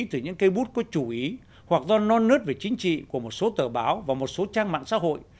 từ những cây bút có chủ ý hoặc do non nớt về chính trị của một số tờ báo và một số trang mạng xã hội